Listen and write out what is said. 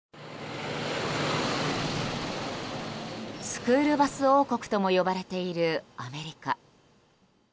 スクールバス王国とも呼ばれているアメリカ。